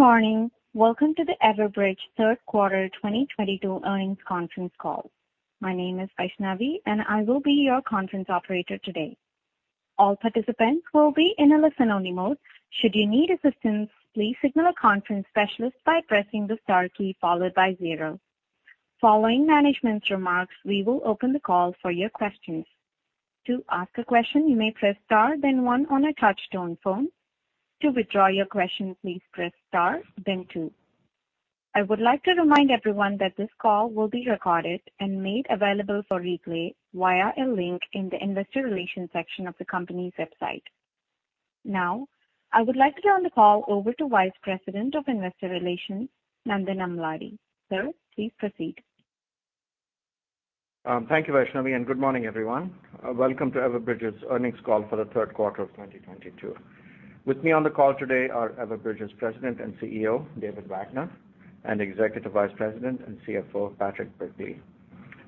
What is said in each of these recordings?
Good morning. Welcome to the Everbridge third quarter 2022 earnings conference call. My name is Vaishnavi, and I will be your conference operator today. All participants will be in a listen-only mode. Should you need assistance, please signal a conference specialist by pressing the star key followed by zero. Following management's remarks, we will open the call for your questions. To ask a question, you may press star then one on a touch-tone phone. To withdraw your question, please press star then two. I would like to remind everyone that this call will be recorded and made available for replay via a link in the investor relations section of the company's website. Now I would like to turn the call over to Vice President of Investor Relations, Nandan Amladi. Sir, please proceed. Thank you, Vaishnavi, and good morning, everyone. Welcome to Everbridge's earnings call for the third quarter of 2022. With me on the call today are Everbridge's President and CEO, David Wagner, and Executive Vice President and CFO, Patrick Brickley.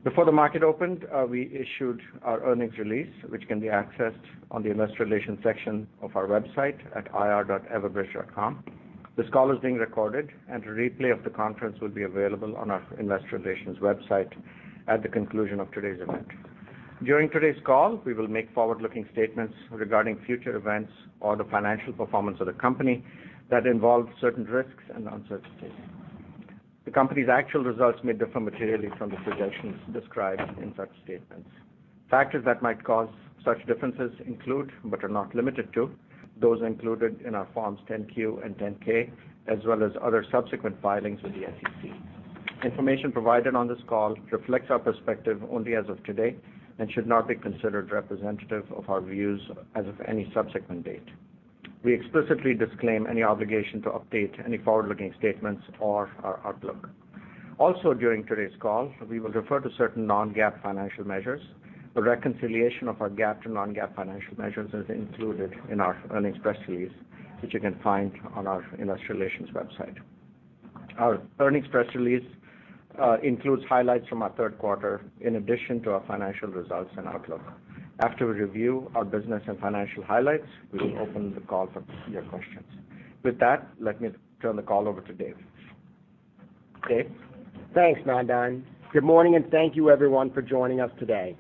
Before the market opened, we issued our earnings release, which can be accessed on the investor relations section of our website at ir.everbridge.com. This call is being recorded, and a replay of the conference will be available on our investor relations website at the conclusion of today's event. During today's call, we will make forward-looking statements regarding future events or the financial performance of the company that involve certain risks and uncertainties. The company's actual results may differ materially from the projections described in such statements. Factors that might cause such differences include, but are not limited to, those included in our Forms 10-Q and 10-K, as well as other subsequent filings with the SEC. Information provided on this call reflects our perspective only as of today and should not be considered representative of our views as of any subsequent date. We explicitly disclaim any obligation to update any forward-looking statements or our outlook. Also, during today's call, we will refer to certain non-GAAP financial measures. The reconciliation of our GAAP to non-GAAP financial measures is included in our earnings press release, which you can find on our investor relations website. Our earnings press release includes highlights from our third quarter in addition to our financial results and outlook. After we review our business and financial highlights, we will open the call for your questions. With that, let me turn the call over to Dave.Dave? Thanks, Nandan. Good morning, and thank you, everyone, for joining us today.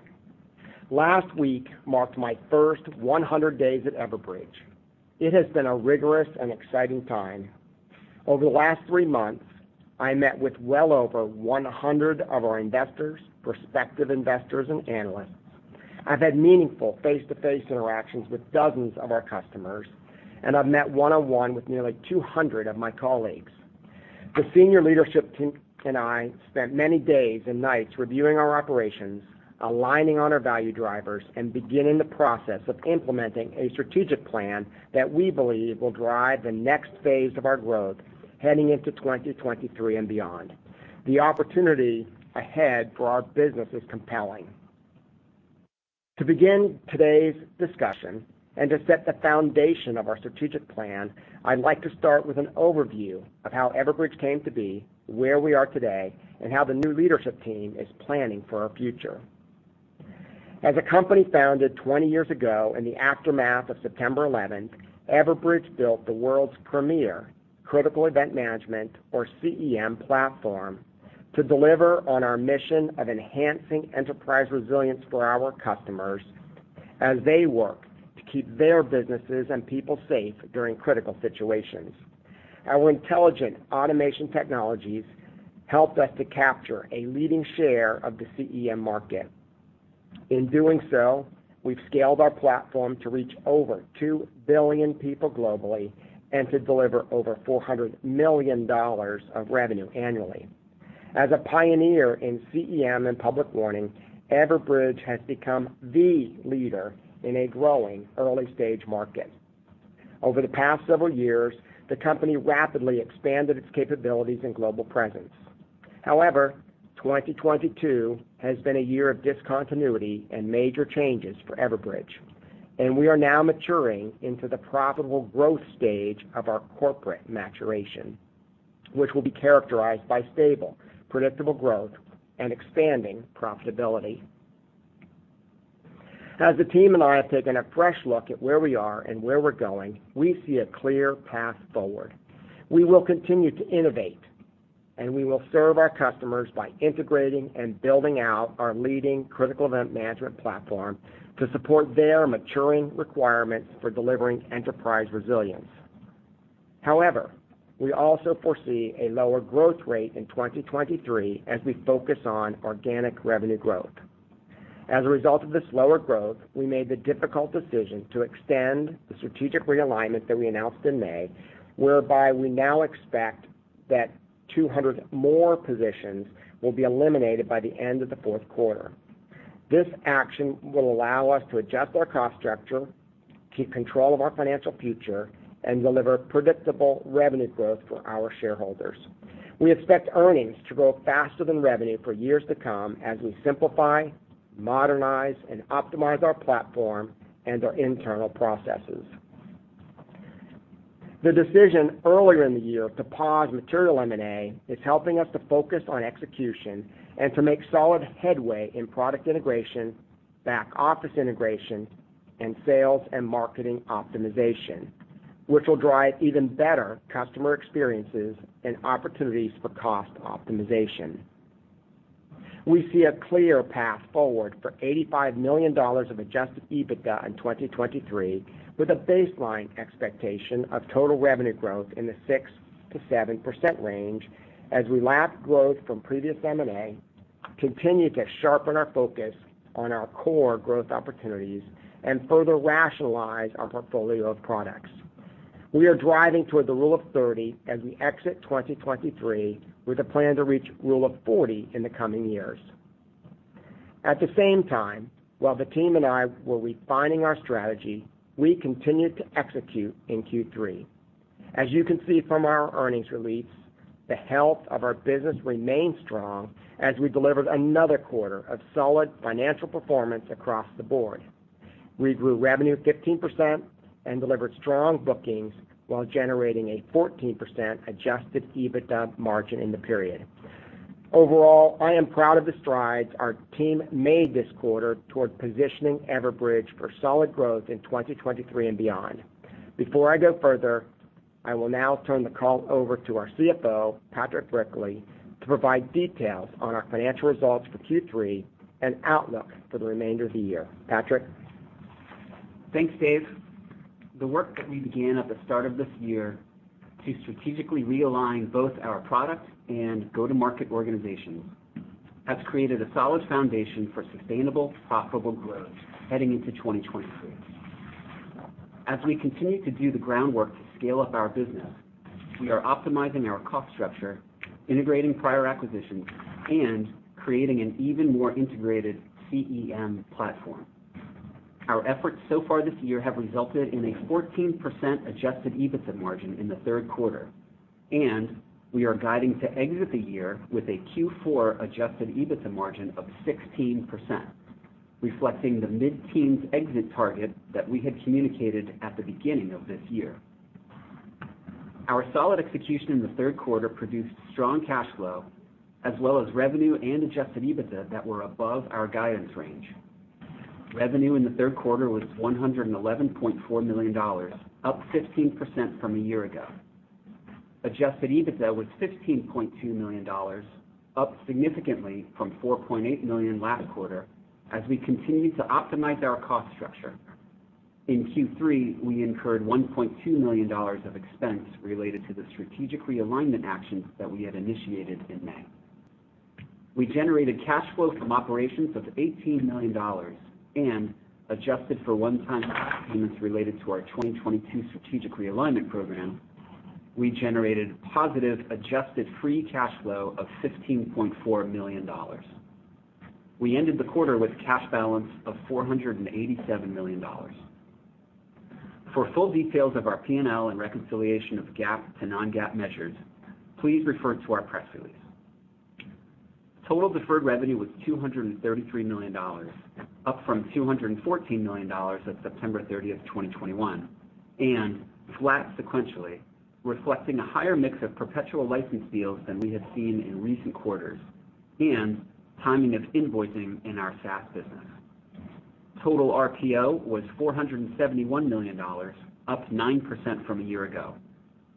Last week marked my first 100 days at Everbridge. It has been a rigorous and exciting time. Over the last three months, I met with well over 100 of our investors, prospective investors and analysts. I've had meaningful face-to-face interactions with dozens of our customers, and I've met one-on-one with nearly 200 of my colleagues. The senior leadership team and I spent many days and nights reviewing our operations, aligning on our value drivers, and beginning the process of implementing a strategic plan that we believe will drive the next phase of our growth heading into 2023 and beyond. The opportunity ahead for our business is compelling. To begin today's discussion and to set the foundation of our strategic plan, I'd like to start with an overview of how Everbridge came to be, where we are today, and how the new leadership team is planning for our future. As a company founded 20 years ago in the aftermath of September 11, Everbridge built the world's premier Critical Event Management, or CEM platform, to deliver on our mission of enhancing enterprise resilience for our customers as they work to keep their businesses and people safe during critical situations. Our intelligent automation technologies helped us to capture a leading share of the CEM market. In doing so, we've scaled our platform to reach over 2 billion people globally and to deliver over $400 million of revenue annually. As a pioneer in CEM and public warning, Everbridge has become the leader in a growing early-stage market. Over the past several years, the company rapidly expanded its capabilities and global presence. However, 2022 has been a year of discontinuity and major changes for Everbridge, and we are now maturing into the profitable growth stage of our corporate maturation, which will be characterized by stable, predictable growth and expanding profitability. As the team and I have taken a fresh look at where we are and where we're going, we see a clear path forward. We will continue to innovate, and we will serve our customers by integrating and building out our leading critical event management platform to support their maturing requirements for delivering enterprise resilience. However, we also foresee a lower growth rate in 2023 as we focus on organic revenue growth. As a result of this lower growth, we made the difficult decision to extend the strategic realignment that we announced in May, whereby we now expect that 200 more positions will be eliminated by the end of the fourth quarter. This action will allow us to adjust our cost structure, keep control of our financial future, and deliver predictable revenue growth for our shareholders. We expect earnings to grow faster than revenue for years to come as we simplify, modernize, and optimize our platform and our internal processes. The decision earlier in the year to pause material M&A is helping us to focus on execution and to make solid headway in product integration, back office integration and sales and marketing optimization, which will drive even better customer experiences and opportunities for cost optimization. We see a clear path forward for $85 million of adjusted EBITDA in 2023, with a baseline expectation of total revenue growth in the 6%-7% range as we lap growth from previous M&A, continue to sharpen our focus on our core growth opportunities, and further rationalize our portfolio of products. We are driving toward the Rule of 30 as we exit 2023 with a plan to reach Rule of 40 in the coming years. At the same time, while the team and I were refining our strategy, we continued to execute in Q3. As you can see from our earnings release, the health of our business remained strong as we delivered another quarter of solid financial performance across the board. We grew revenue 15% and delivered strong bookings while generating a 14% adjusted EBITDA margin in the period. Overall, I am proud of the strides our team made this quarter toward positioning Everbridge for solid growth in 2023 and beyond. Before I go further, I will now turn the call over to our CFO, Patrick Brickley, to provide details on our financial results for Q3 and outlook for the remainder of the year. Patrick? Thanks, Dave. The work that we began at the start of this year to strategically realign both our product and go-to-market organizations has created a solid foundation for sustainable, profitable growth heading into 2023. As we continue to do the groundwork to scale up our business, we are optimizing our cost structure, integrating prior acquisitions, and creating an even more integrated CEM platform. Our efforts so far this year have resulted in a 14% adjusted EBITDA margin in the third quarter, and we are guiding to exit the year with a Q4 adjusted EBITDA margin of 16%, reflecting the mid-teens exit target that we had communicated at the beginning of this year. Our solid execution in the third quarter produced strong cash flow as well as revenue and adjusted EBITDA that were above our guidance range. Revenue in the third quarter was $111.4 million, up 15% from a year ago. Adjusted EBITDA was $15.2 million, up significantly from $4.8 million last quarter as we continued to optimize our cost structure. In Q3, we incurred $1.2 million of expense related to the strategic realignment actions that we had initiated in May. We generated cash flow from operations of $18 million and adjusted for one-time payments related to our 2022 strategic realignment program, we generated positive adjusted free cash flow of $15.4 million. We ended the quarter with cash balance of $487 million. For full details of our P&L and reconciliation of GAAP to non-GAAP measures, please refer to our press release. Total deferred revenue was $233 million, up from $214 million at September 30th, 2021, and flat sequentially, reflecting a higher mix of perpetual license deals than we have seen in recent quarters and timing of invoicing in our SaaS business. Total RPO was $471 million, up 9% from a year ago.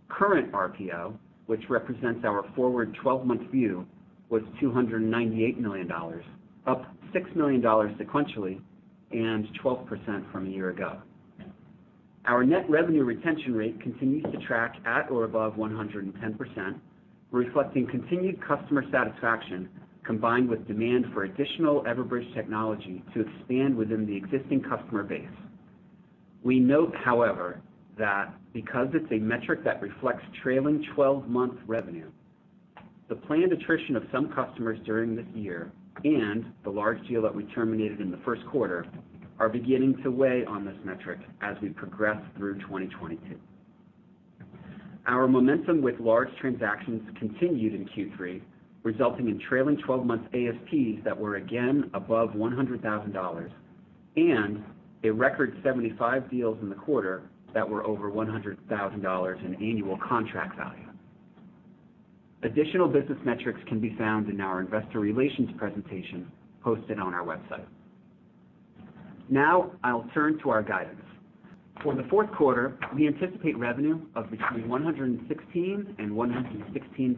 Current RPO, which represents our forward 12-month view, was $298 million, up $6 million sequentially and 12% from a year ago. Our net revenue retention rate continues to track at or above 110%, reflecting continued customer satisfaction combined with demand for additional Everbridge technology to expand within the existing customer base. We note, however, that because it's a metric that reflects trailing 12-month revenue, the planned attrition of some customers during this year and the large deal that we terminated in the first quarter are beginning to weigh on this metric as we progress through 2022. Our momentum with large transactions continued in Q3, resulting in trailing 12-month ASPs that were again above $100,000 and a record 75 deals in the quarter that were over $100,000 in annual contract value. Additional business metrics can be found in our investor relations presentation posted on our website. Now I'll turn to our guidance. For the fourth quarter, we anticipate revenue of between $116 million and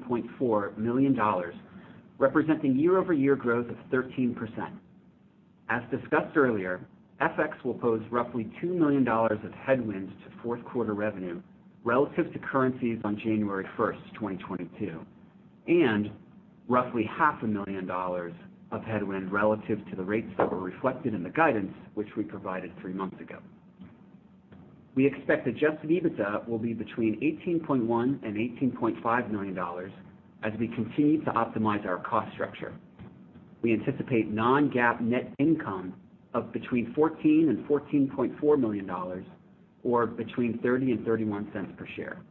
$116.4 million, representing year-over-year growth of 13%. As discussed earlier, FX will pose roughly $2 million of headwind to fourth quarter revenue relative to currencies on January 1st, 2022, and roughly half a million dollars of headwind relative to the rates that were reflected in the guidance, which we provided three months ago. We expect adjusted EBITDA will be between $18.1 million and $18.5 million as we continue to optimize our cost structure. We anticipate non-GAAP net income of between $14 million and $14.4 million, or between $0.30 and $0.31 per share.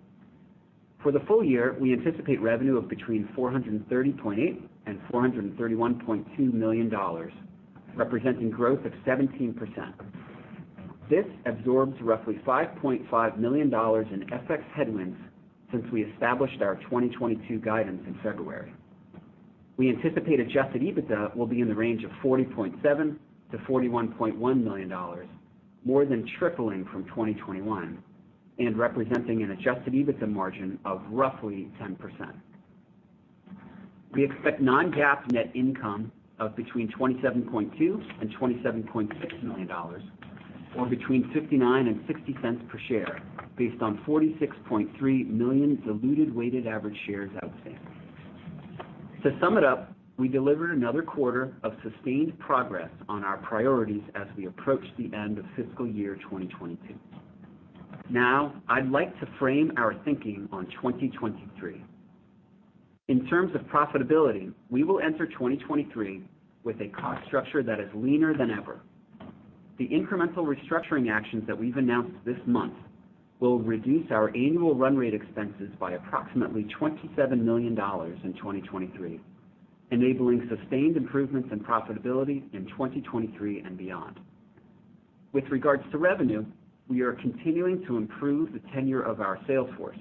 For the full year, we anticipate revenue of between $430.8 million and $431.2 million, representing growth of 17%. This absorbs roughly $5.5 million in FX headwinds since we established our 2022 guidance in February. We anticipate adjusted EBITDA will be in the range of $40.7 million-$41.1 million, more than tripling from 2021, and representing an adjusted EBITDA margin of roughly 10%. We expect non-GAAP net income of between $27.2 million and $27.6 million, or between $0.59 and $0.60 per share based on 46.3 million diluted weighted average shares outstanding. To sum it up, we delivered another quarter of sustained progress on our priorities as we approach the end of fiscal year 2022. Now, I'd like to frame our thinking on 2023. In terms of profitability, we will enter 2023 with a cost structure that is leaner than ever. The incremental restructuring actions that we've announced this month will reduce our annual run rate expenses by approximately $27 million in 2023, enabling sustained improvements in profitability in 2023 and beyond. With regards to revenue, we are continuing to improve the tenure of our sales force.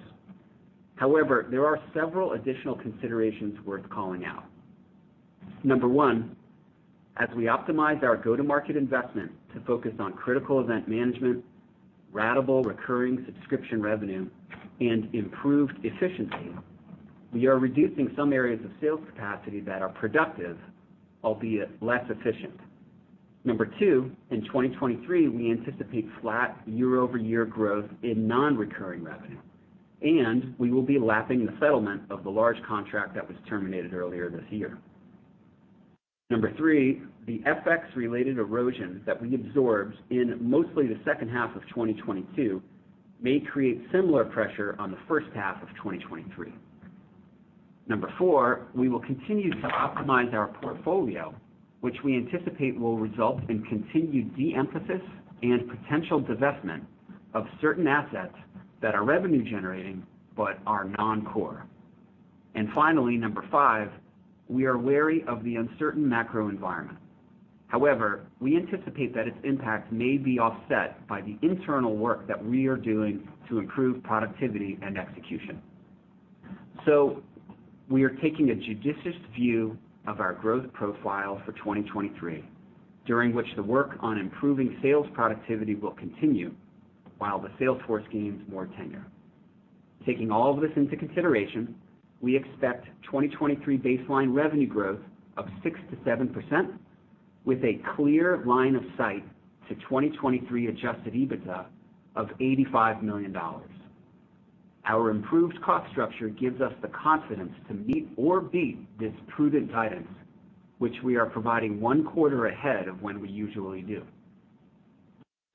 However, there are several additional considerations worth calling out. Number one, as we optimize our go-to-market investment to focus on critical event management, ratable recurring subscription revenue, and improved efficiency, we are reducing some areas of sales capacity that are productive, albeit less efficient. Number two, in 2023, we anticipate flat year-over-year growth in non-recurring revenue, and we will be lapping the settlement of the large contract that was terminated earlier this year. Number three, the FX-related erosion that we absorbed in mostly the second half of 2022 may create similar pressure on the first half of 2023. Number four, we will continue to optimize our portfolio, which we anticipate will result in continued de-emphasis and potential divestment of certain assets that are revenue generating but are non-core. Finally, number five, we are wary of the uncertain macro environment. However, we anticipate that its impact may be offset by the internal work that we are doing to improve productivity and execution. We are taking a judicious view of our growth profile for 2023, during which the work on improving sales productivity will continue while the sales force gains more tenure. Taking all of this into consideration, we expect 2023 baseline revenue growth of 6%-7%, with a clear line of sight to 2023 adjusted EBITDA of $85 million. Our improved cost structure gives us the confidence to meet or beat this prudent guidance, which we are providing one quarter ahead of when we usually do.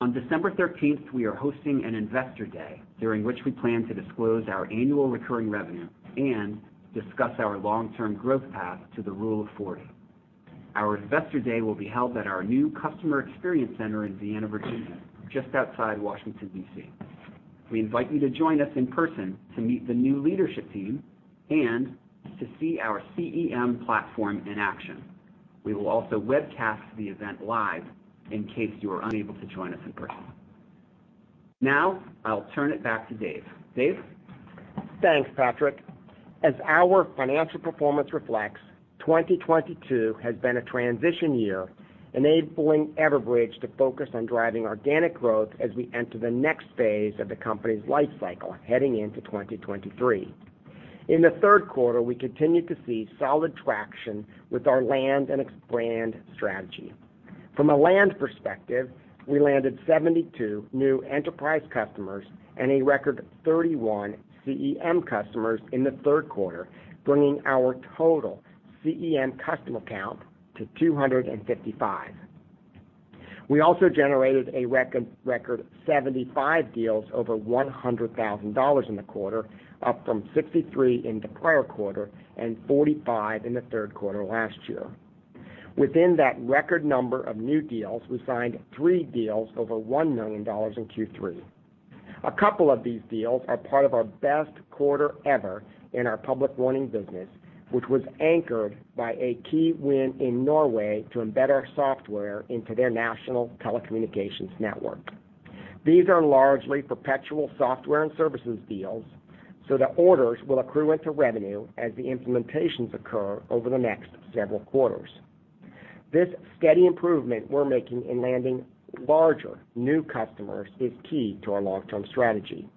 On December 13th, we are hosting an Investor Day, during which we plan to disclose our annual recurring revenue and discuss our long-term growth path to the Rule of 40. Our Investor Day will be held at our new customer experience center in Vienna, Virginia, just outside Washington, D.C. We invite you to join us in person to meet the new leadership team and to see our CEM platform in action. We will also webcast the event live in case you are unable to join us in person. Now, I'll turn it back to Dave. Dave? Thanks, Patrick. As our financial performance reflects, 2022 has been a transition year, enabling Everbridge to focus on driving organic growth as we enter the next phase of the company's life cycle heading into 2023. In the third quarter, we continued to see solid traction with our land and expand strategy. From a land perspective, we landed 72 new enterprise customers and a record 31 CEM customers in the third quarter, bringing our total CEM customer count to 255. We also generated a record 75 deals over $100,000 in the quarter, up from 63 in the prior quarter and 45 in the third quarter last year. Within that record number of new deals, we signed three deals over $1 million in Q3. A couple of these deals are part of our best quarter ever in our public warning business, which was anchored by a key win in Norway to embed our software into their national telecommunications network. These are largely perpetual software and services deals, so the orders will accrue into revenue as the implementations occur over the next several quarters. This steady improvement we're making in landing larger new customers is key to our long-term strategy.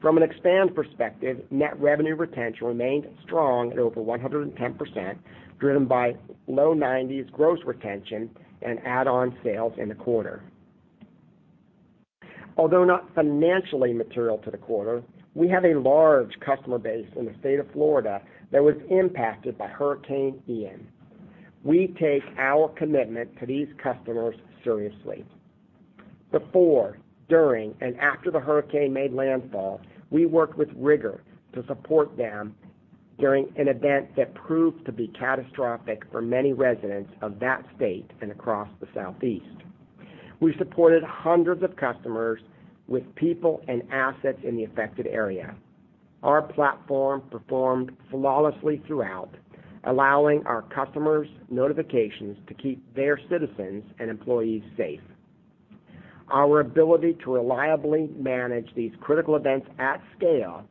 From an expand perspective, net revenue retention remained strong at over 110%, driven by low 90s gross retention and add-on sales in the quarter. Although not financially material to the quarter, we have a large customer base in the state of Florida that was impacted by Hurricane Ian. We take our commitment to these customers seriously. Before, during, and after the hurricane made landfall, we worked with rigor to support them during an event that proved to be catastrophic for many residents of that state and across the Southeast. We supported hundreds of customers with people and assets in the affected area. Our platform performed flawlessly throughout, allowing our customers' notifications to keep their citizens and employees safe. Our ability to reliably manage these critical events at scale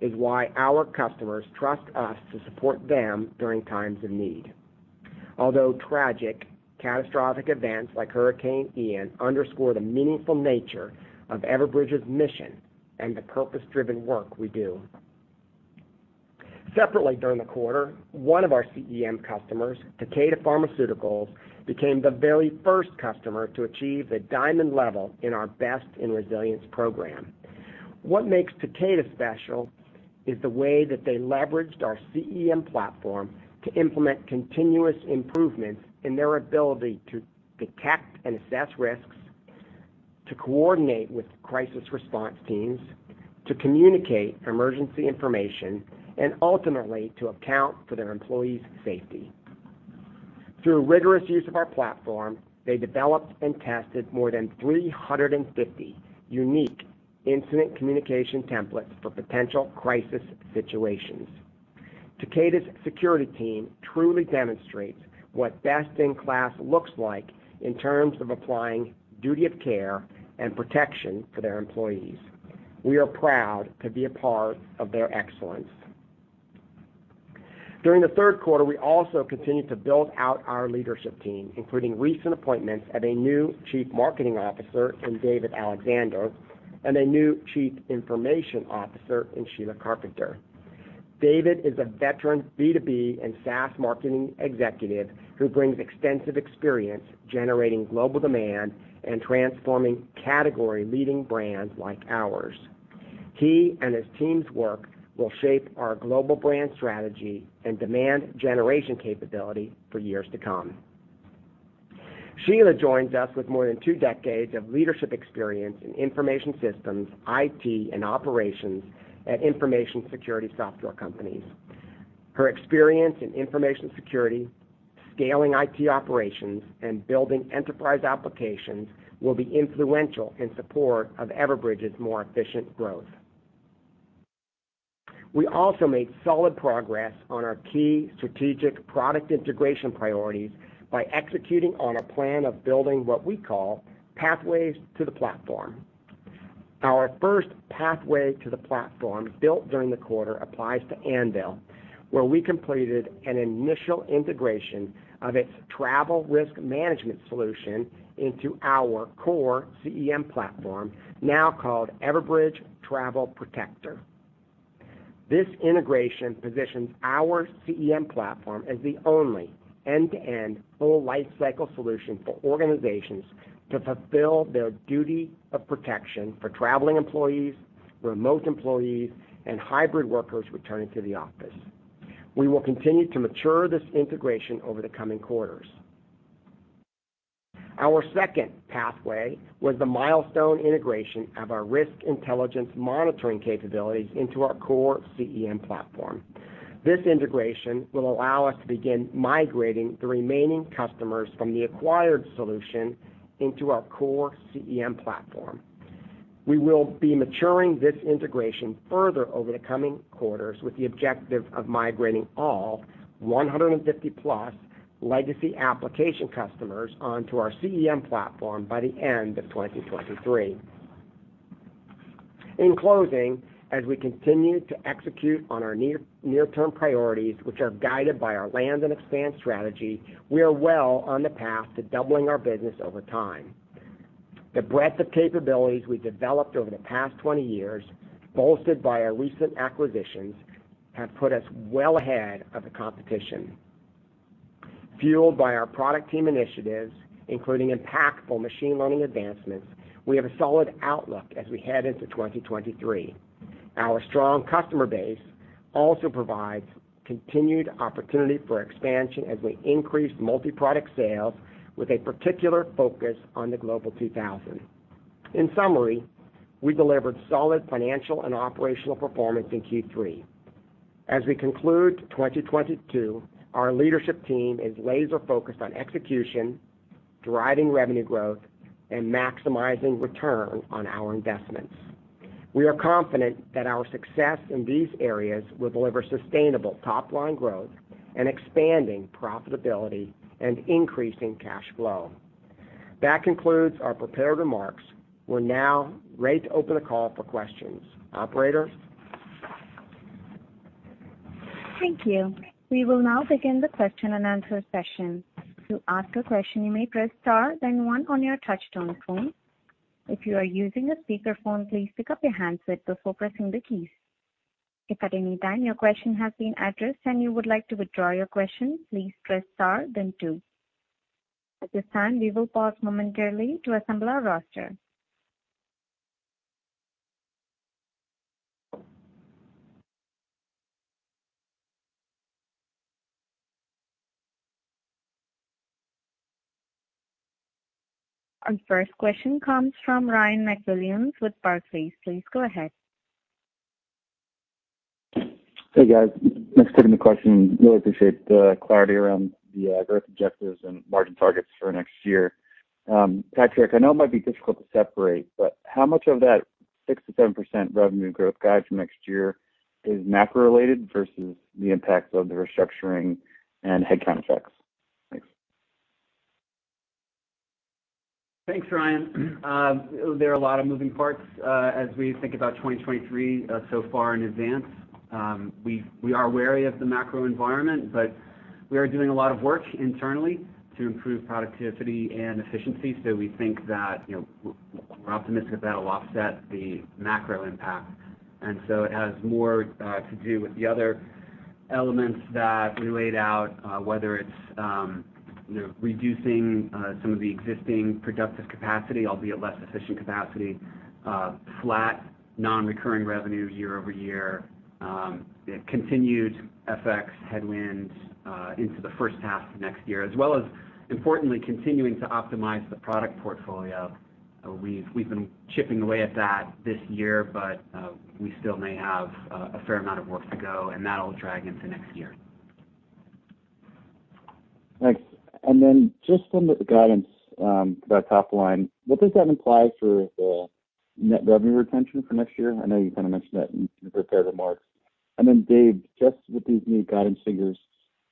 is why our customers trust us to support them during times of need. Although tragic, catastrophic events like Hurricane Ian underscore the meaningful nature of Everbridge's mission and the purpose-driven work we do. Separately during the quarter, one of our CEM customers, Takeda Pharmaceuticals, became the very first customer to achieve the diamond level in our Best in Resilience program. What makes Takeda special is the way that they leveraged our CEM platform to implement continuous improvements in their ability to detect and assess risks, to coordinate with crisis response teams, to communicate emergency information, and ultimately, to account for their employees' safety. Through rigorous use of our platform, they developed and tested more than 350 unique incident communication templates for potential crisis situations. Takeda's security team truly demonstrates what best in class looks like in terms of applying duty of care and protection for their employees. We are proud to be a part of their excellence. During the third quarter, we also continued to build out our leadership team, including recent appointments of a new Chief Marketing Officer in David Alexander, and a new Chief Information Officer in Sheila Carpenter. David is a veteran B2B and SaaS marketing executive who brings extensive experience generating global demand and transforming category-leading brands like ours. He and his team's work will shape our global brand strategy and demand generation capability for years to come. Sheila joins us with more than two decades of leadership experience in information systems, IT, and operations at information security software companies. Her experience in information security, scaling IT operations, and building enterprise applications will be influential in support of Everbridge's more efficient growth. We also made solid progress on our key strategic product integration priorities by executing on a plan of building what we call pathways to the platform. Our first pathway to the platform built during the quarter applies to Anvil, where we completed an initial integration of its travel risk management solution into our core CEM platform, now called Everbridge Travel Protector. This integration positions our CEM platform as the only end-to-end full lifecycle solution for organizations to fulfill their duty of protection for traveling employees, remote employees, and hybrid workers returning to the office. We will continue to mature this integration over the coming quarters. Our second pathway was the milestone integration of our risk intelligence monitoring capabilities into our core CEM platform. This integration will allow us to begin migrating the remaining customers from the acquired solution into our core CEM platform. We will be maturing this integration further over the coming quarters with the objective of migrating all 150+ legacy application customers onto our CEM platform by the end of 2023. In closing, as we continue to execute on our near-term priorities, which are guided by our land and expand strategy, we are well on the path to doubling our business over time. The breadth of capabilities we developed over the past 20 years, bolstered by our recent acquisitions, have put us well ahead of the competition. Fueled by our product team initiatives, including impactful machine learning advancements, we have a solid outlook as we head into 2023. Our strong customer base also provides continued opportunity for expansion as we increase multi-product sales with a particular focus on the Global 2000. In summary, we delivered solid financial and operational performance in Q3. As we conclude 2022, our leadership team is laser-focused on execution, driving revenue growth, and maximizing return on our investments. We are confident that our success in these areas will deliver sustainable top-line growth and expanding profitability and increasing cash flow. That concludes our prepared remarks. We're now ready to open the call for questions. Operator? Thank you. We will now begin the question and answer session. To ask a question, you may press star then one on your touchtone phone. If you are using a speaker phone, please pick up your handset before pressing the keys. If at any time your question has been addressed and you would like to withdraw your question, please press star then two. At this time, we will pause momentarily to assemble our roster. Our first question comes from Ryan MacWilliams with Barclays. Please go ahead. Hey guys, thanks for taking the question. Really appreciate the clarity around the growth objectives and margin targets for next year. Patrick, I know it might be difficult to separate, but how much of that 6%-7% revenue growth guide for next year is macro-related versus the impact of the restructuring and headcount effects? Thanks. Thanks, Ryan. There are a lot of moving parts as we think about 2023 so far in advance. We are wary of the macro environment, but we are doing a lot of work internally to improve productivity and efficiency, so we think that, you know, we're optimistic that'll offset the macro impact. It has more to do with the other elements that we laid out, whether it's, you know, reducing some of the existing productive capacity, albeit less efficient capacity, flat non-recurring revenue year-over-year, continued FX headwinds into the first half of next year, as well as importantly continuing to optimize the product portfolio. We've been chipping away at that this year, but we still may have a fair amount of work to go, and that'll drag into next year. Thanks. Just on the guidance, for that top line, what does that imply for the net revenue retention for next year? I know you kind of mentioned that in your prepared remarks. Dave, just with these new guidance figures,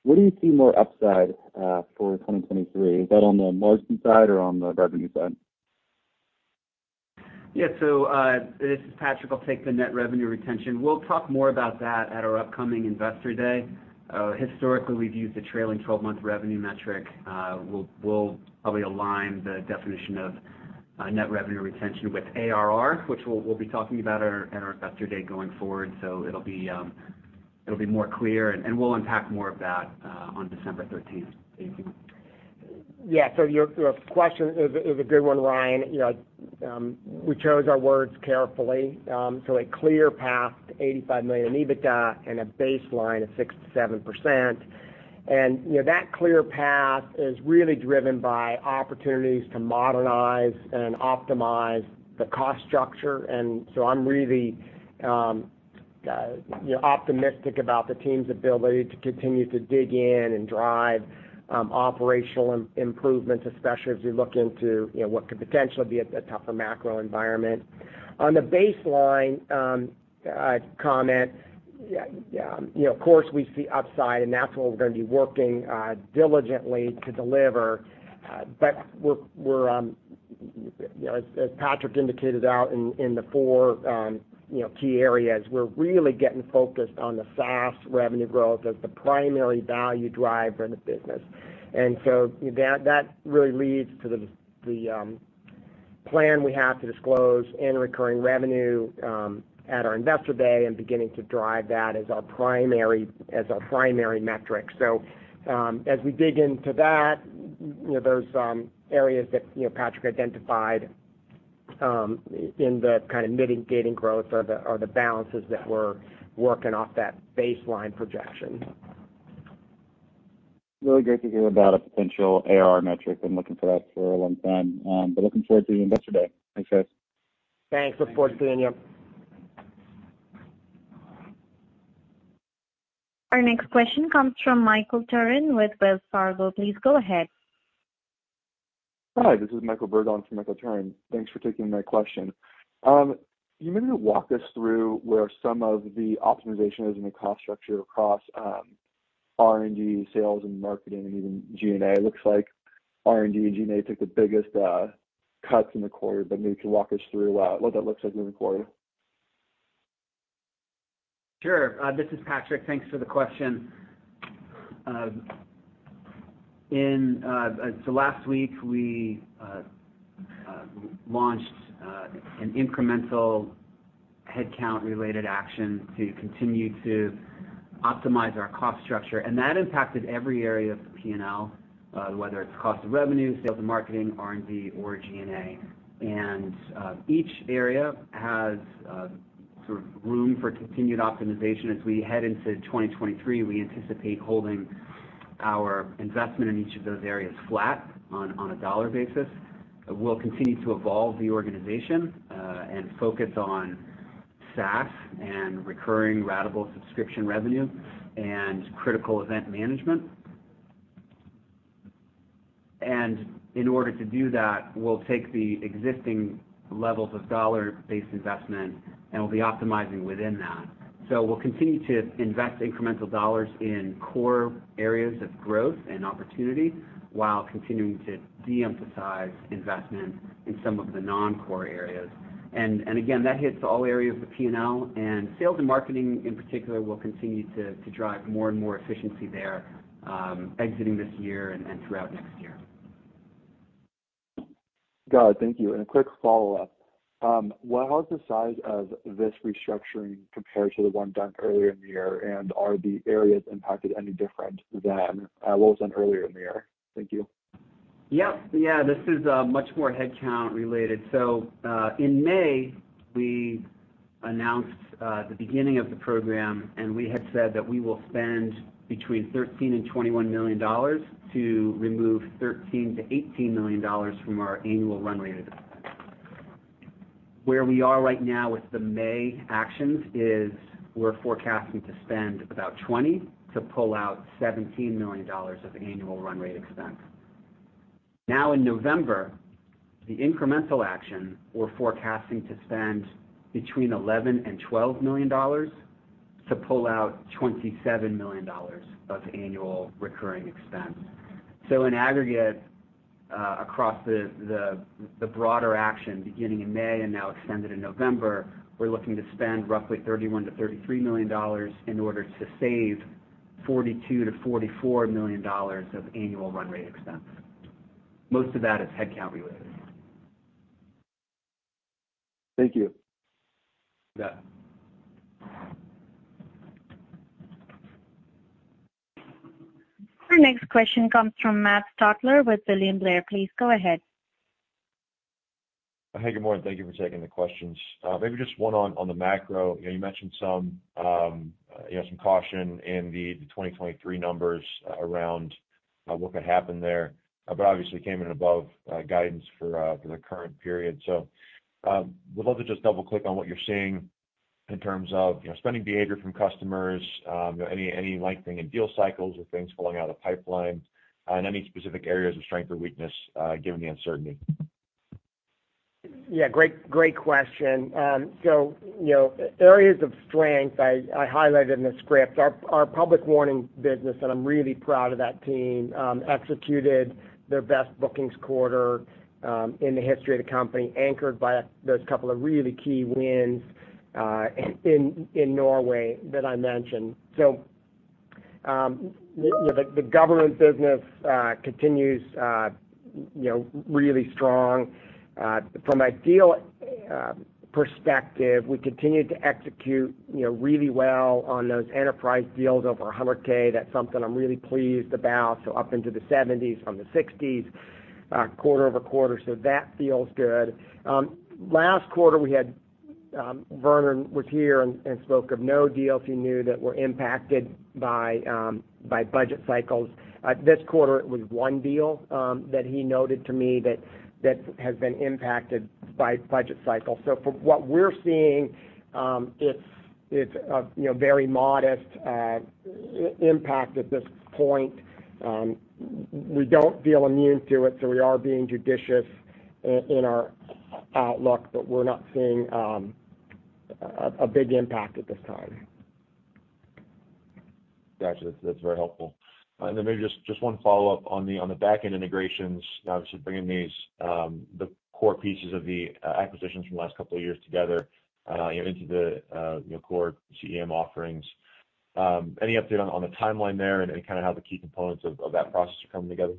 where do you see more upside, for 2023? Is that on the margin side or on the revenue side? Yeah. This is Patrick. I'll take the net revenue retention. We'll talk more about that at our upcoming Investor Day. Historically, we've used the trailing 12-month revenue metric. We'll probably align the definition of net revenue retention with ARR, which we'll be talking about at our Investor Day going forward. It'll be more clear, and we'll unpack more of that on December 13th. Thank you. Yeah. Your question is a good one, Ryan. You know, we chose our words carefully, so a clear path to $85 million EBITDA and a baseline of 6%-7%. You know, that clear path is really driven by opportunities to modernize and optimize the cost structure. I'm really, you know, optimistic about the team's ability to continue to dig in and drive operational improvements, especially as we look into, you know, what could potentially be a tougher macro environment. On the baseline comment, you know, of course, we see upside, and that's what we're gonna be working diligently to deliver. We're you know as Patrick indicated in the four key areas really getting focused on the SaaS revenue growth as the primary value driver in the business. That really leads to the plan we have to disclose our recurring revenue at our Investor Day and beginning to drive that as our primary metric. As we dig into that you know those areas that you know Patrick identified in the kind of mitigating growth are the balances that we're working off that baseline projection. Really great to hear about a potential ARR metric. Been looking for that for a long time. Looking forward to the Investor Day. Thanks, guys. Thanks. Look forward to seeing you. Thanks. Our next question comes from Michael Turrin with Wells Fargo. Please go ahead. Hi, this is Michael Berg on for Michael Turrin. Thanks for taking my question. Can you maybe walk us through where some of the optimization is in the cost structure across R&D, sales and marketing, and even G&A? It looks like R&D and G&A took the biggest cuts in the quarter, but maybe you can walk us through what that looks like in the quarter. Sure. This is Patrick. Thanks for the question. In so last week we launched an incremental headcount-related action to continue to optimize our cost structure, and that impacted every area of the P&L, whether it's cost of revenue, sales and marketing, R&D, or G&A. Each area has sort of room for continued optimization. As we head into 2023, we anticipate holding our investment in each of those areas flat on a dollar basis. We'll continue to evolve the organization and focus on SaaS and recurring ratable subscription revenue and critical event management. In order to do that, we'll take the existing levels of dollar-based investment, and we'll be optimizing within that. We'll continue to invest incremental dollars in core areas of growth and opportunity while continuing to de-emphasize investment in some of the non-core areas. Again, that hits all areas of the P&L. Sales and marketing in particular will continue to drive more and more efficiency there, exiting this year and throughout next year. Got it. Thank you. A quick follow-up. What was the size of this restructuring compared to the one done earlier in the year? Are the areas impacted any different than what was done earlier in the year? Thank you. Yep. Yeah. This is much more headcount related. In May, we announced the beginning of the program, and we had said that we will spend between $13 million and $21 million to remove $13 million-$18 million from our annual run rate. Where we are right now with the May actions is we're forecasting to spend about $20 million to pull out $17 million of annual run rate expense. Now, in November, the incremental action, we're forecasting to spend between $11 million and $12 million to pull out $27 million of annual recurring expense. In aggregate, across the broader action beginning in May and now extended in November, we're looking to spend roughly $31 million-$33 million in order to save $42 million-$44 million of annual run rate expense. Most of that is headcount related. Thank you. You bet. Our next question comes from Matt Stotler with William Blair. Please go ahead. Hey, good morning. Thank you for taking the questions. Maybe just one on the macro. You know, you mentioned some you know, some caution in the 2023 numbers around what could happen there, but obviously came in above guidance for the current period. Would love to just double-click on what you're seeing in terms of you know, spending behavior from customers, any lengthening in deal cycles or things falling out of pipeline, and any specific areas of strength or weakness given the uncertainty. Yeah. Great question. So, you know, areas of strength, I highlighted in the script. Our public warning business, and I'm really proud of that team, executed their best bookings quarter in the history of the company, anchored by those couple of really key wins in Norway that I mentioned. The government business continues, you know, really strong. From a deal perspective, we continued to execute, you know, really well on those enterprise deals over $100K. That's something I'm really pleased about. Up into the 70s from the 60s, quarter-over-quarter, so that feels good. Last quarter, we had Vernon was here and spoke of no deals he knew that were impacted by budget cycles. This quarter, it was one deal that he noted to me that has been impacted by budget cycle. From what we're seeing, it's a you know very modest impact at this point. We don't feel immune to it, so we are being judicious in our outlook, but we're not seeing a big impact at this time. Gotcha. That's very helpful. Maybe just one follow-up on the back-end integrations, obviously bringing these, the core pieces of the acquisitions from the last couple of years together, you know, into the core CEM offerings. Any update on the timeline there and kinda how the key components of that process are coming together?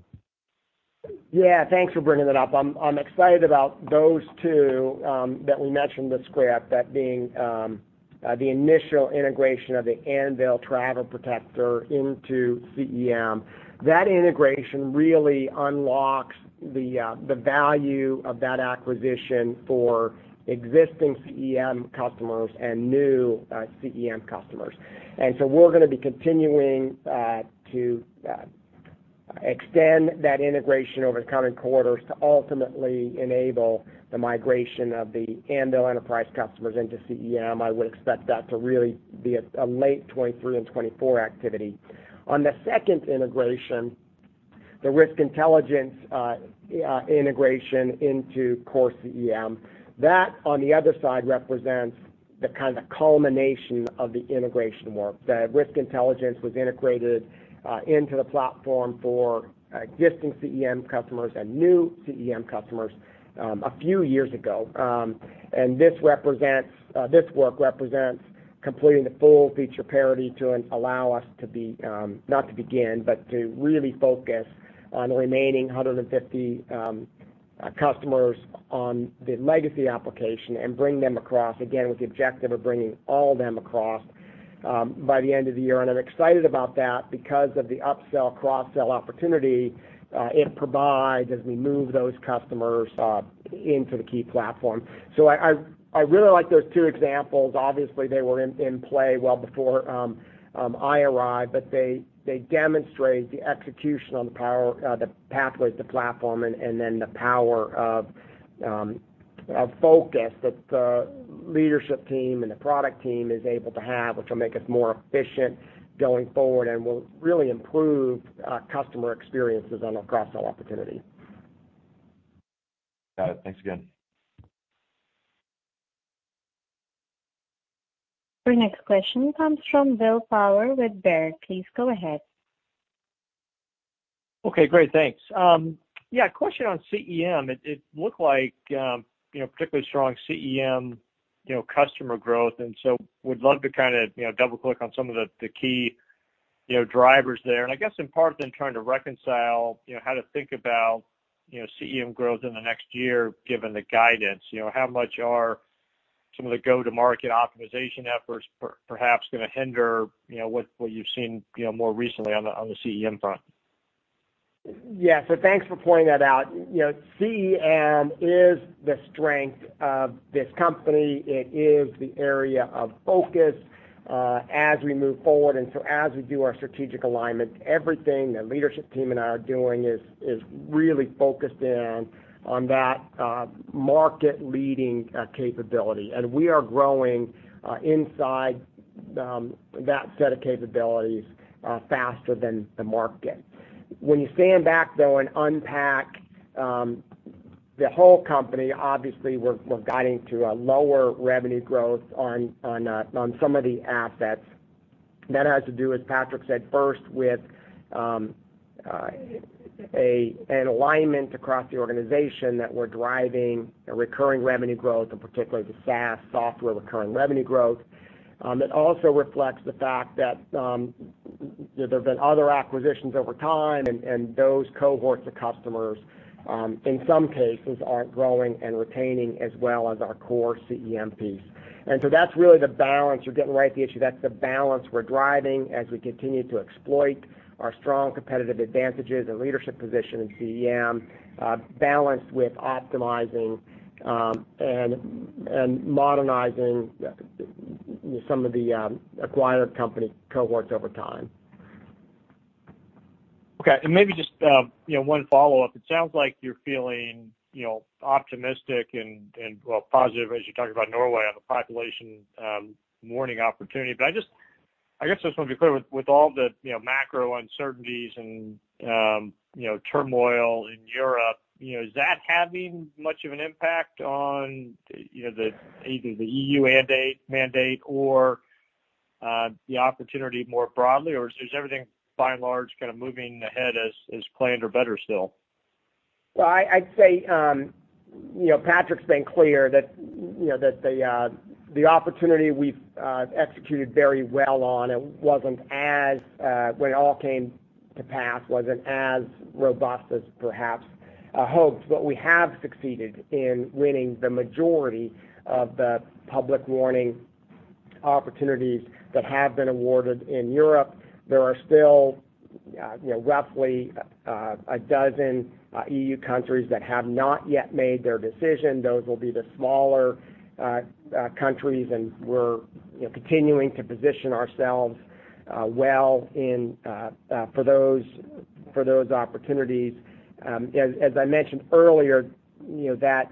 Yeah. Thanks for bringing that up. I'm excited about those two that we mentioned in the script, that being the initial integration of the Anvil Travel Protector into CEM. That integration really unlocks the value of that acquisition for existing CEM customers and new CEM customers. We're gonna be continuing to extend that integration over the coming quarters to ultimately enable the migration of the Anvil enterprise customers into CEM. I would expect that to really be a late 2023 and 2024 activity. On the second integration, the risk intelligence integration into core CEM, that on the other side represents the kind of culmination of the integration work. The risk intelligence was integrated into the platform for existing CEM customers and new CEM customers a few years ago. This work represents completing the full feature parity to allow us to be, not to begin, but to really focus on the remaining 150 customers on the legacy application and bring them across, again, with the objective of bringing all them across by the end of the year. I'm excited about that because of the upsell, cross-sell opportunity it provides as we move those customers into the key platform. I really like those two examples. Obviously, they were in play well before I arrived, but they demonstrate the execution on the power, the pathway to platform and then the power of focus that the leadership team and the product team is able to have, which will make us more efficient going forward and will really improve customer experiences on a cross-sell opportunity. Got it. Thanks again. Our next question comes from Will Power with Baird. Please go ahead. Okay, great. Thanks. Yeah, a question on CEM. It looked like, you know, particularly strong CEM, you know, customer growth, and so would love to kinda, you know, double-click on some of the key, you know, drivers there. I guess in part then trying to reconcile, you know, how to think about, you know, CEM growth in the next year given the guidance. You know, how much are some of the go-to-market optimization efforts perhaps gonna hinder, you know, what you've seen, you know, more recently on the CEM front? Yeah. Thanks for pointing that out. You know, CEM is the strength of this company. It is the area of focus as we move forward. As we do our strategic alignment, everything the leadership team and I are doing is really focused in on that market-leading capability. We are growing inside that set of capabilities faster than the market. When you stand back though and unpack the whole company, obviously, we're guiding to a lower revenue growth on some of the assets. That has to do, as Patrick said first, with an alignment across the organization that we're driving a recurring revenue growth, and particularly the SaaS software recurring revenue growth. It also reflects the fact that, there's been other acquisitions over time and those cohorts of customers, in some cases aren't growing and retaining as well as our core CEM piece. That's really the balance. You're getting right at the issue. That's the balance we're driving as we continue to exploit our strong competitive advantages and leadership position in CEM, balanced with optimizing and modernizing some of the acquired company cohorts over time. Okay. Maybe just, you know, one follow-up. It sounds like you're feeling, you know, optimistic and well positive as you talk about Norway on the population warning opportunity. I guess I just want to be clear. With all the, you know, macro uncertainties and, you know, turmoil in Europe, you know, is that having much of an impact on, you know, the either the E.U. mandate or the opportunity more broadly, or is everything by and large kind of moving ahead as planned or better still? Well, I'd say, you know, Patrick's been clear that, you know, the opportunity we've executed very well on; when it all came to pass, it wasn't as robust as perhaps hoped. We have succeeded in winning the majority of the public warning opportunities that have been awarded in Europe. There are still, you know, roughly 12 E.U. countries that have not yet made their decision. Those will be the smaller countries, and we're, you know, continuing to position ourselves well for those opportunities. As I mentioned earlier, you know, that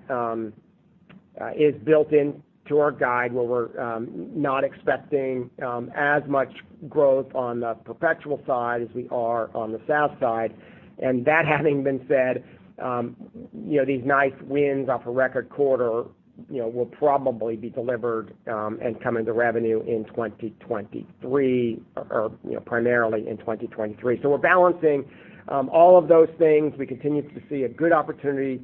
is built into our guide, where we're not expecting as much growth on the perpetual side as we are on the SaaS side. That having been said, you know, these nice wins off a record quarter, you know, will probably be delivered, and come into revenue in 2023 or, you know, primarily in 2023. We're balancing all of those things. We continue to see a good opportunity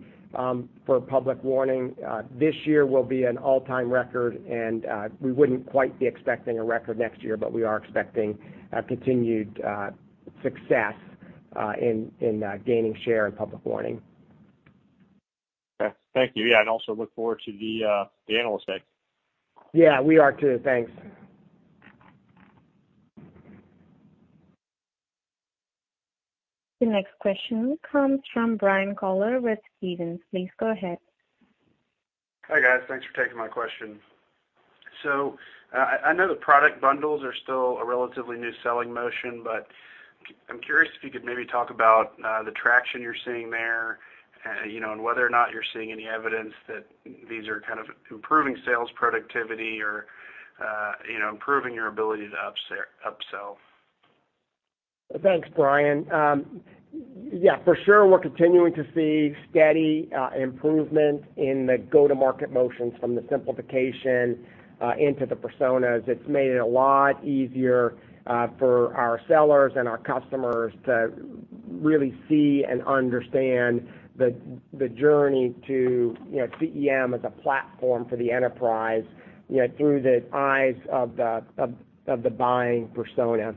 for public warning. This year will be an all-time record, and we wouldn't quite be expecting a record next year, but we are expecting a continued success in gaining share in public warning. Okay. Thank you. Yeah, and also look forward to the Analyst Day. Yeah, we are too. Thanks. The next question comes from Brian Colley with Stephens. Please go ahead. Hi, guys. Thanks for taking my question. I know the product bundles are still a relatively new selling motion, but I'm curious if you could maybe talk about the traction you're seeing there, you know, and whether or not you're seeing any evidence that these are kind of improving sales productivity or, you know, improving your ability to upsell. Thanks, Brian. Yeah, for sure, we're continuing to see steady improvement in the go-to-market motions from the simplification into the personas. It's made it a lot easier for our sellers and our customers to really see and understand the journey to, you know, CEM as a platform for the enterprise, you know, through the eyes of the buying persona.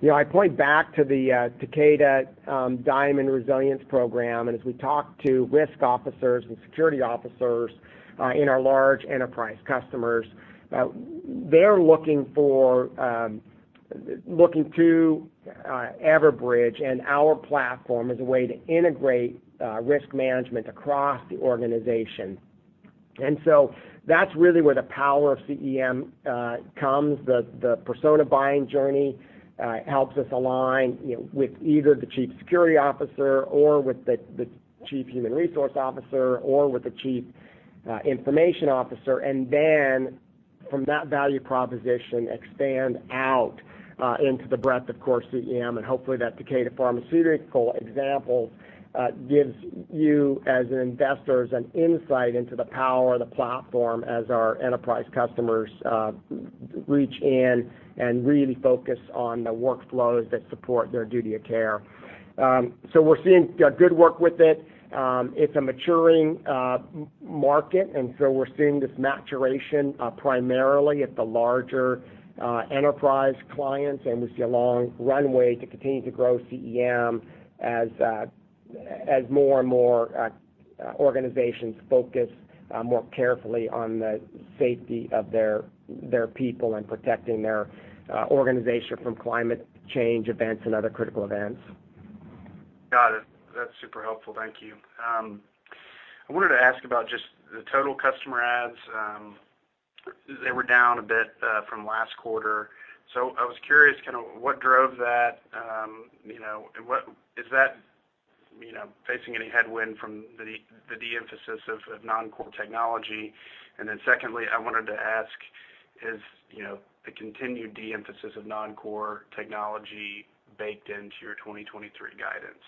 You know, I point back to the Takeda Diamond Resilience program, and as we talk to risk officers and security officers in our large enterprise customers, they're looking to Everbridge and our platform as a way to integrate risk management across the organization. That's really where the power of CEM comes. The persona buying journey helps us align, you know, with either the chief security officer or with the chief human resource officer or with the chief information officer. Then from that value proposition, expand out into the breadth of Core CEM. Hopefully, that Takeda Pharmaceuticals example gives you as investors an insight into the power of the platform as our enterprise customers reach in and really focus on the workflows that support their duty of care. We're seeing good work with it. It's a maturing market, and we're seeing this maturation primarily at the larger enterprise clients. We see a long runway to continue to grow CEM as more and more organizations focus more carefully on the safety of their people and protecting their organization from climate change events and other critical events. Got it. That's super helpful. Thank you. I wanted to ask about just the total customer adds. They were down a bit from last quarter. I was curious kind of what drove that. You know, and what is that, you know, facing any headwind from the de-emphasis of non-core technology. Secondly, I wanted to ask, is the continued de-emphasis of non-core technology baked into your 2023 guidance?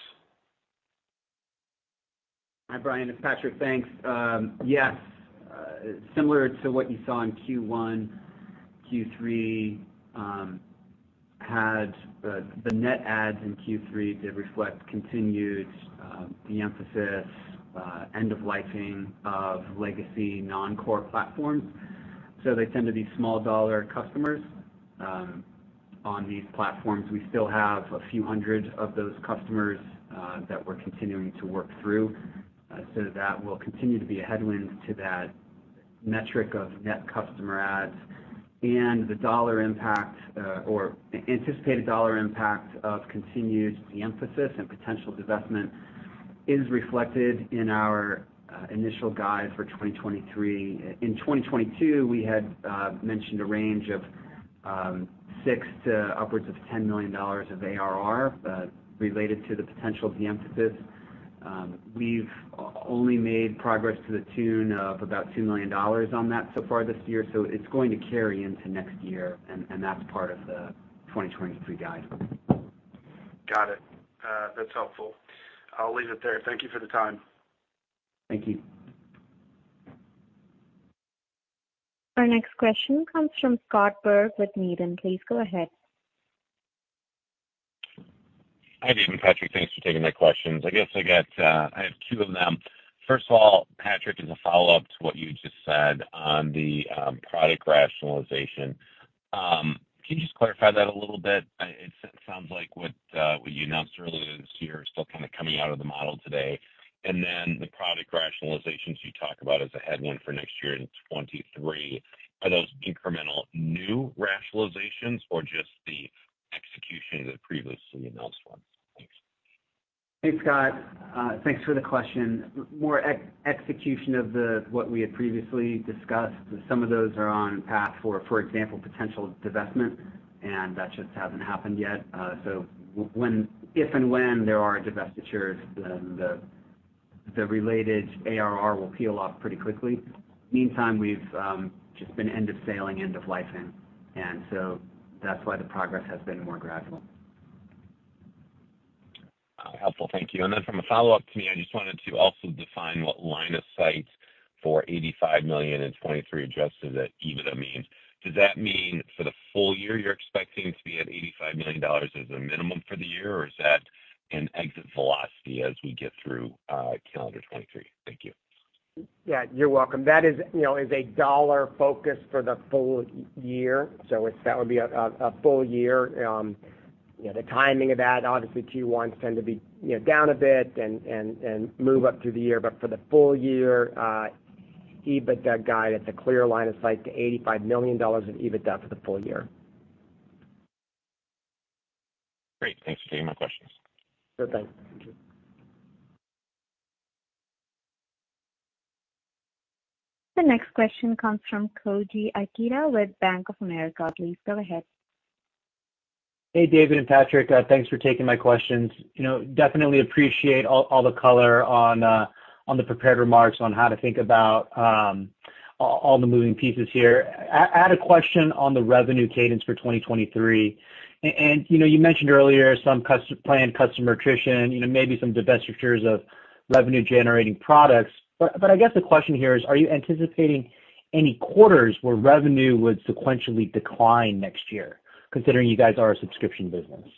Hi, Brian, it's Patrick. Thanks. Yes, similar to what you saw in Q1, Q3 had the net adds in Q3 did reflect continued de-emphasis end of lifing of legacy non-core platforms. They tend to be small-dollar customers on these platforms. We still have a few hundred of those customers that we're continuing to work through. That will continue to be a headwind to that metric of net customer adds and the dollar impact or anticipated dollar impact of continued de-emphasis and potential divestment is reflected in our initial guide for 2023. In 2022, we had mentioned a range of $6 million to upwards of $10 million of ARR related to the potential de-emphasis. We've only made progress to the tune of about $2 million on that so far this year, so it's going to carry into next year and that's part of the 2023 guide. Got it. That's helpful. I'll leave it there. Thank you for the time. Thank you. Our next question comes from Scott Berg with Needham. Please go ahead. Hi, David and Patrick, thanks for taking my questions. I have two of them. First of all, Patrick, as a follow-up to what you just said on the product rationalization, can you just clarify that a little bit? It sounds like what you announced earlier this year is still kind of coming out of the model today. The product rationalizations you talk about as a headwind for next year in 2023, are those incremental new rationalizations or just the execution of the previously announced ones? Thanks. Hey, Scott. Thanks for the question. More execution of what we had previously discussed. Some of those are on track for example, potential divestment, and that just hasn't happened yet. So if and when there are divestitures, then the related ARR will peel off pretty quickly. Meantime, we've just been end-of-sale, end-of-life, and that's why the progress has been more gradual. Helpful. Thank you. From a follow-up to me, I just wanted to also define what line of sight for $85 million in 2023 adjusted EBITDA means. Does that mean for the full year, you're expecting to be at $85 million as a minimum for the year, or is that an exit velocity as we get through calendar 2023? Thank you. Yeah, you're welcome. That is, you know, is a dollar focus for the full year. It's that would be a full year, you know, the timing of that, obviously Q1s tend to be, you know, down a bit and move up through the year. For the full year, EBITDA guide, it's a clear line of sight to $85 million of EBITDA for the full year. Great. Thanks for taking my questions. Sure thing. Thank you. The next question comes from Koji Ikeda with Bank of America. Please go ahead. Hey, David and Patrick, thanks for taking my questions. You know, definitely appreciate all the color on the prepared remarks on how to think about all the moving pieces here. I had a question on the revenue cadence for 2023. You know, you mentioned earlier some planned customer attrition, you know, maybe some divestitures of revenue-generating products. I guess the question here is, are you anticipating any quarters where revenue would sequentially decline next year considering you guys are a subscription business?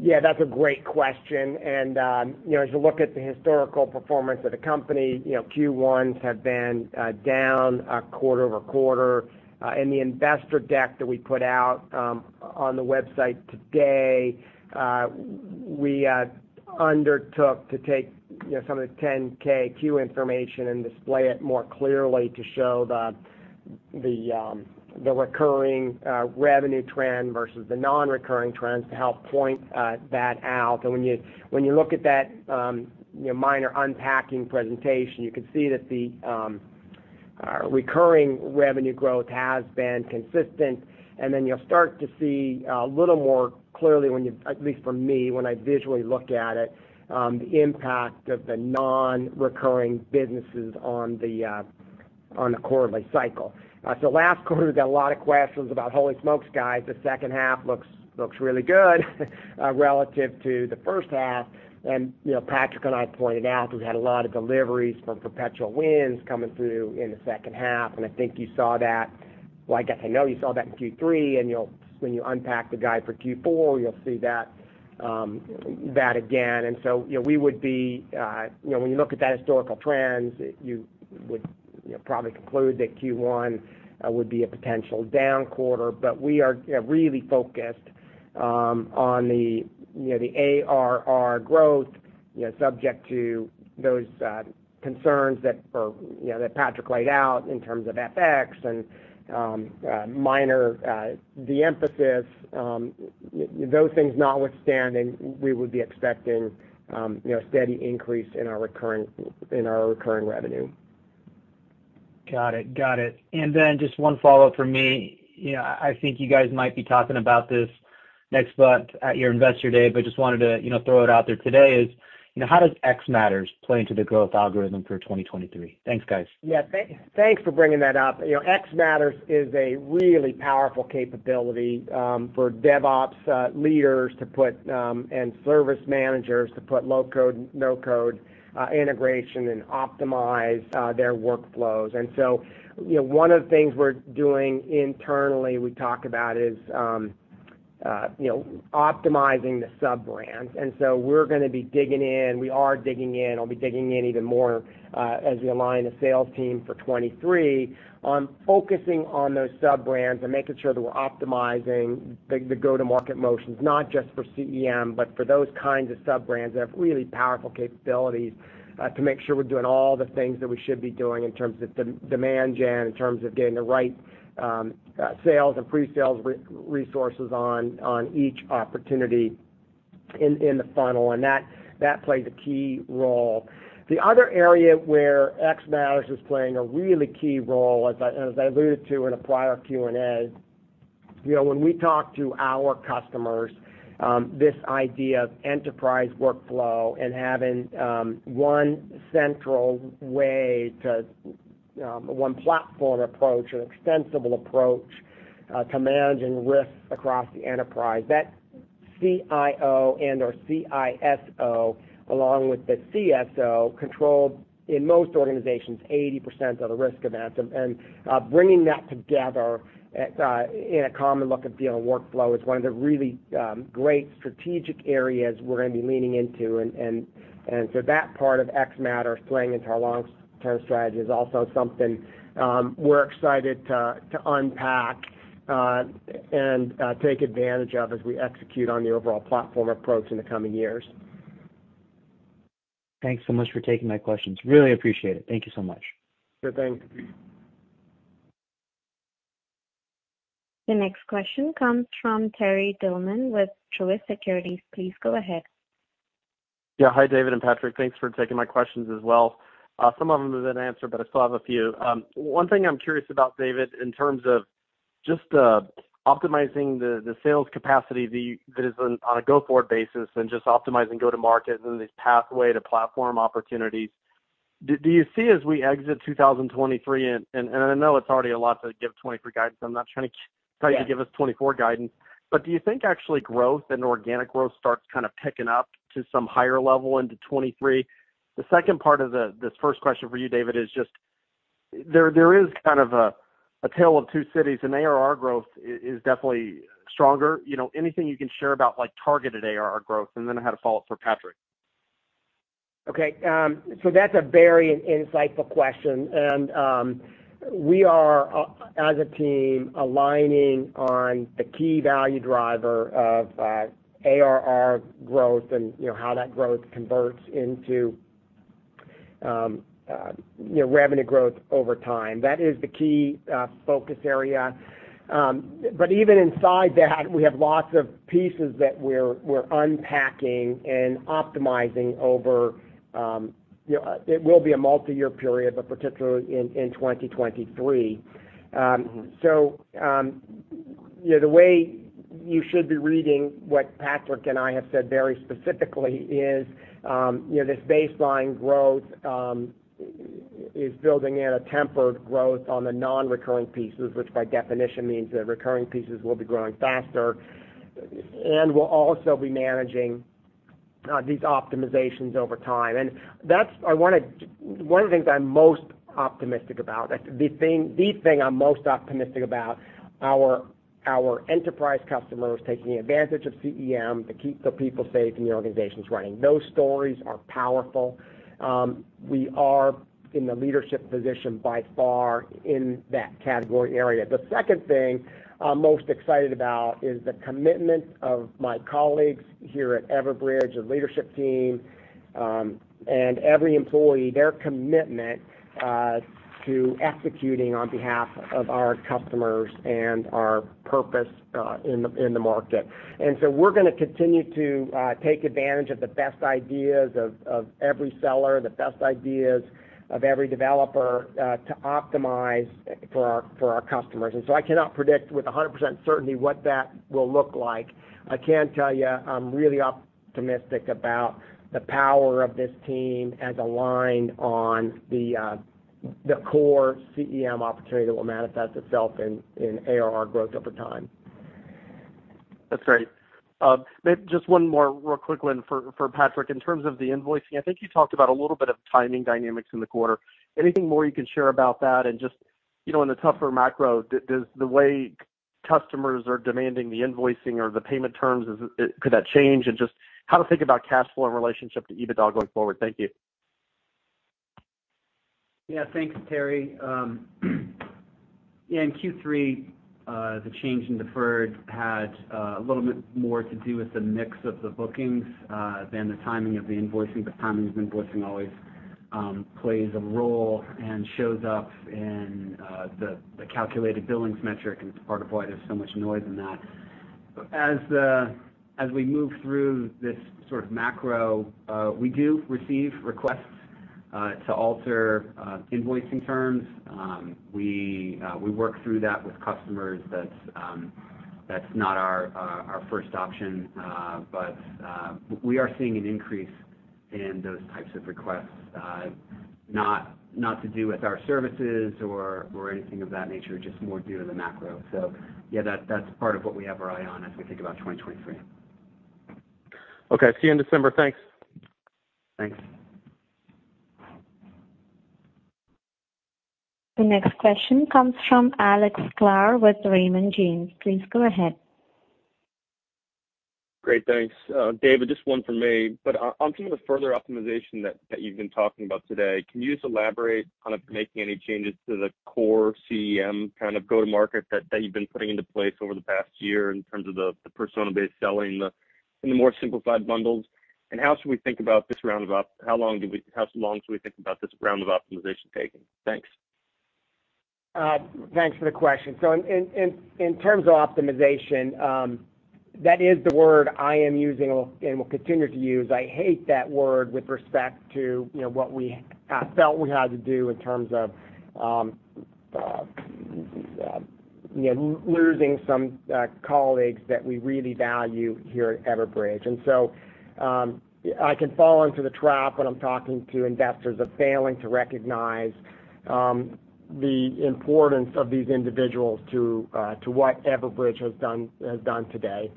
Yeah, that's a great question. You know, as you look at the historical performance of the company, you know, Q1s have been down quarter-over-quarter. In the investor deck that we put out on the website today, we undertook to take, you know, some of the 10-K, 10-Q information and display it more clearly to show the recurring revenue trend versus the non-recurring trends to help point that out. When you look at that, you know, minor unpacking presentation, you can see that the recurring revenue growth has been consistent. Then you'll start to see a little more clearly. At least for me, when I visually look at it, the impact of the non-recurring businesses on the quarterly cycle. Last quarter, we got a lot of questions about holy smokes, guys. The second half looks really good relative to the first half. You know, Patrick and I pointed out we had a lot of deliveries from perpetual wins coming through in the second half, and I think you saw that. Well, I guess I know you saw that in Q3, and you'll when you unpack the guide for Q4, you'll see that again. You know, we would be, you know, when you look at that historical trends, you would, you know, probably conclude that Q1 would be a potential down quarter. We are, you know, really focused on the ARR growth, you know, subject to those concerns that Patrick laid out in terms of FX and minor de-emphasis. Those things notwithstanding, we would be expecting, you know, a steady increase in our recurring revenue. Got it. Just one follow-up from me. You know, I think you guys might be talking about this next month at your Investor Day, but just wanted to, you know, throw it out there today is, you know, how does xMatters play into the growth algorithm for 2023? Thanks, guys. Yeah. Thanks for bringing that up. You know, xMatters is a really powerful capability for DevOps leaders to put and service managers to put low-code, no-code integration and optimize their workflows. You know, one of the things we're doing internally we talk about is optimizing the sub-brands. We're gonna be digging in. We are digging in. I'll be digging in even more, as we align the sales team for 2023 on focusing on those sub-brands and making sure that we're optimizing the go-to-market motions, not just for CEM, but for those kinds of sub-brands that have really powerful capabilities, to make sure we're doing all the things that we should be doing in terms of demand gen, in terms of getting the right sales and pre-sales resources on each opportunity in the funnel. That plays a key role. The other area where xMatters is playing a really key role, as I alluded to in a prior Q&A, you know, when we talk to our customers, this idea of enterprise workflow and having one central way to one platform approach or extensible approach to managing risks across the enterprise, that CIO and/or CISO, along with the CSO, control, in most organizations, 80% of the risk events. Bringing that together in a common look and feel and workflow is one of the really great strategic areas we're gonna be leaning into. That part of xMatters playing into our long-term strategy is also something we're excited to unpack and take advantage of as we execute on the overall platform approach in the coming years. Thanks so much for taking my questions. Really appreciate it. Thank you so much. Sure thing. The next question comes from Terry Tillman with Truist Securities. Please go ahead. Yeah. Hi, David and Patrick. Thanks for taking my questions as well. Some of them have been answered, but I still have a few. One thing I'm curious about, David, in terms of just optimizing the sales capacity on a go-forward basis and just optimizing go-to-market and this pathway to platform opportunities. Do you see as we exit 2023, and I know it's already a lot to give 2023 guidance, so I'm not trying to give us 2024 guidance. Do you think actually growth and organic growth starts kind of picking up to some higher level into 2023? The second part of this first question for you, David, is just there is kind of a tale of two cities, and ARR growth is definitely stronger. You know, anything you can share about like targeted ARR growth? I had a follow-up for Patrick. Okay. So that's a very insightful question, and we are, as a team, aligning on the key value driver of ARR growth and, you know, how that growth converts into, you know, revenue growth over time. That is the key focus area. Even inside that, we have lots of pieces that we're unpacking and optimizing over, you know, it will be a multi-year period, but particularly in 2023. You know, the way you should be reading what Patrick and I have said very specifically is, you know, this baseline growth is building in a tempered growth on the non-recurring pieces, which by definition means the recurring pieces will be growing faster. We'll also be managing these optimizations over time. One of the things I'm most optimistic about, the thing I'm most optimistic about, our enterprise customers taking advantage of CEM to keep the people safe and the organizations running. Those stories are powerful. We are in the leadership position by far in that category area. The second thing I'm most excited about is the commitment of my colleagues here at Everbridge, the leadership team and every employee, their commitment to executing on behalf of our customers and our purpose in the market. We're gonna continue to take advantage of the best ideas of every seller, the best ideas of every developer to optimize for our customers. I cannot predict with 100% certainty what that will look like. I can tell you I'm really optimistic about the power of this team as aligned on the core CEM opportunity that will manifest itself in ARR growth over time. That's great. Just one more real quick one for Patrick. In terms of the invoicing, I think you talked about a little bit of timing dynamics in the quarter. Anything more you can share about that? And just, you know, in the tougher macro, does the way customers are demanding the invoicing or the payment terms could that change? And just how to think about cash flow in relationship to EBITDA going forward. Thank you. Yeah. Thanks, Terry. Yeah, in Q3, the change in deferred had a little bit more to do with the mix of the bookings than the timing of the invoicing, but timing of the invoicing always plays a role and shows up in the calculated billings metric, and it's part of why there's so much noise in that. As we move through this sort of macro, we do receive requests to alter invoicing terms. We work through that with customers. That's not our first option, but we are seeing an increase in those types of requests, not to do with our services or anything of that nature, just more due to the macro. Yeah, that's part of what we have our eye on as we think about 2023. Okay. See you in December. Thanks. Thanks. The next question comes from Alex Sklar with Raymond James. Please go ahead. Great, thanks. David, just one for me. On some of the further optimization that you've been talking about today, can you just elaborate kind of making any changes to the core CEM kind of go-to-market that you've been putting into place over the past year in terms of the persona-based selling and the more simplified bundles? How long should we think about this round of optimization taking? Thanks. Thanks for the question. In terms of optimization, that is the word I am using and will continue to use. I hate that word with respect to, you know, what we felt we had to do in terms of, you know, losing some colleagues that we really value here at Everbridge. I can fall into the trap when I'm talking to investors of failing to recognize the importance of these individuals to what Everbridge has done today.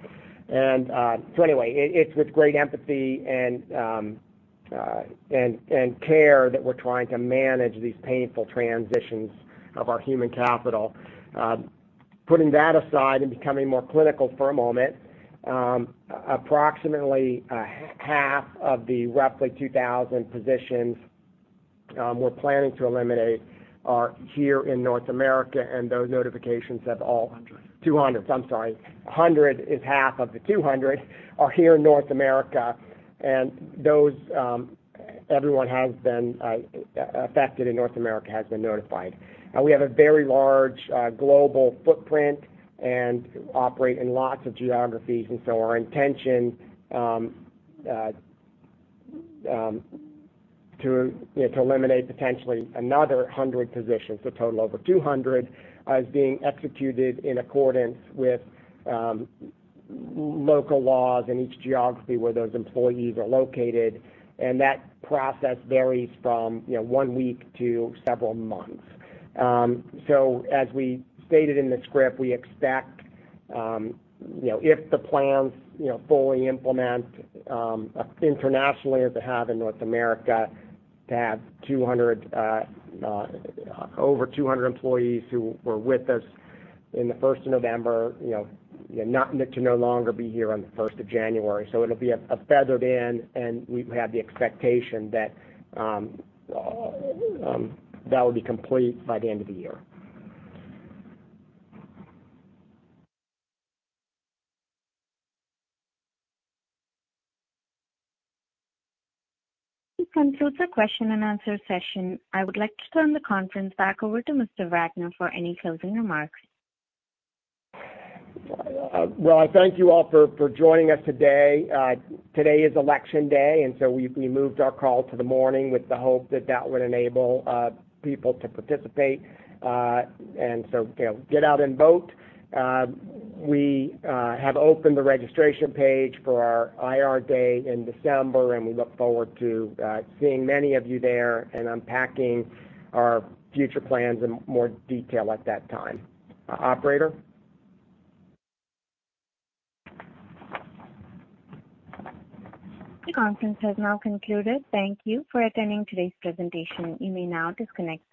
Anyway, it's with great empathy and care that we're trying to manage these painful transitions of our human capital. Putting that aside and becoming more clinical for a moment, approximately half of the roughly 2,000 positions we're planning to eliminate are here in North America, and those notifications have all-200. 200, I'm sorry. 100 is half of the 200 here in North America. Everyone affected in North America has been notified. We have a very large global footprint and operate in lots of geographies. Our intention, you know, to eliminate potentially another 100 positions, so a total over 200, is being executed in accordance with local laws in each geography where those employees are located, and that process varies from, you know, one week to several months. As we stated in the script, we expect, you know, if the plans, you know, fully implement internationally as they have in North America to have 200, over 200 employees who were with us in the first of November, you know, no longer be here on the first of January. It'll be a phased in, and we have the expectation that that will be complete by the end of the year. This concludes the question and answer session. I would like to turn the conference back over to Mr. Wagner for any closing remarks. Well, I thank you all for joining us today. Today is election day, so we moved our call to the morning with the hope that that would enable people to participate. You know, get out and vote. We have opened the registration page for our IR day in December, and we look forward to seeing many of you there and unpacking our future plans in more detail at that time. Operator? The conference has now concluded. Thank you for attending today's presentation. You may now disconnect.